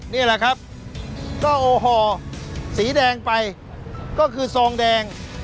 นี่แหละครับก็โอ้โหสีแดงไปก็คือซองแดง